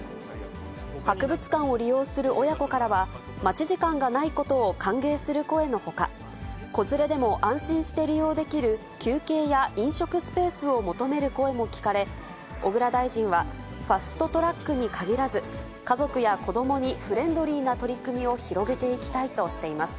博物館を利用する親子からは、待ち時間がないことを歓迎する声のほか、子連れでも安心して利用できる休憩や飲食スペースを求める声も聞かれ、小倉大臣は、ファスト・トラックに限らず家族や子どもにフレンドリーな取り組みを広げていきたいとしています。